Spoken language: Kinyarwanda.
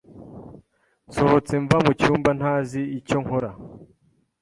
Nsohotse mva mucyumba ntazi icyo nkora.